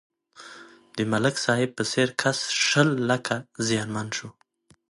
د ملک صاحب په څېر کس شل لکه زیانمن شو.